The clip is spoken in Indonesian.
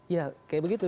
ya kayak begitu